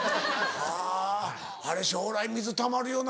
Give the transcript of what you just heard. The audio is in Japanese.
はぁあれ将来水たまるよな。